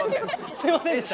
すみませんでした。